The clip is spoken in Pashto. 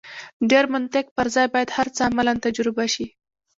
ډېر منطق پر ځای باید هر څه عملاً تجربه شي.